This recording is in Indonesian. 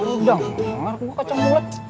udah ngangar kok kacang mulet